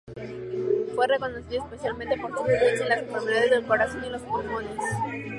Fue reconocido especialmente por su experiencia en las enfermedades del corazón y los pulmones.